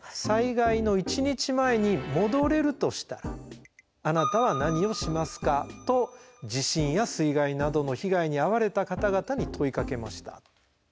「『災害の一日前に戻れるとしたらあなたは何をしますか』と地震や水害などの被害に遭われた方々に問いかけました」。